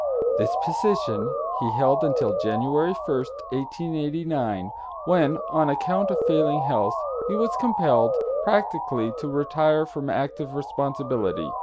This position he held until January 1st, 1889, when on account of failing health he was compelled, practically, to retire from active responsibility.